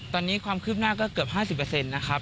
ตอนนี้ความคืบหน้าก็เกือบ๕๐นะครับ